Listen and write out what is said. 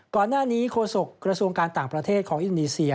ก่อนหน้านี้โฆษกระทรวงการต่างประเทศของอินโดนีเซีย